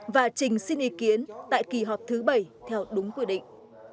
và trình xin ý kiến tại kỳ họp thứ bảy theo đúng quy định